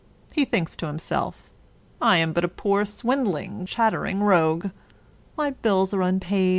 He thinks to himself, " I am but a poor swindling, chattering rogue. My bills are unpaid.